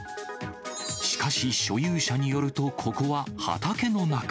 しかし、所有者によると、ここは畑の中。